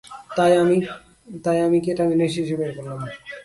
তাই, আমি কেটামিনের শিশি বের করলাম।